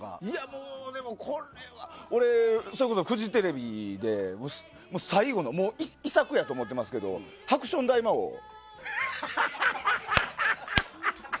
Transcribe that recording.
いや、もうでもこれは、俺、それこそフジテレビで最後の、もう遺作やと思ってますけど、ハクション大魔王を。